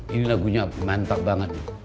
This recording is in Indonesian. ini lagunya mantap banget